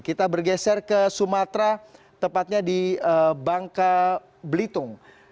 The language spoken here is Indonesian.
kita bergeser ke sumatera tepatnya di bangka belitung